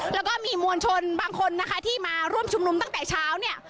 แล้วก็มีมวลชนบางคนนะคะที่มาร่วมชุมนุมตั้งแต่เช้าเนี่ย